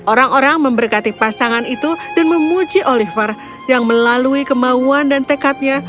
orang orang memberkati pasangan itu dan memuji oliver yang melalui kemauan dan tekadnya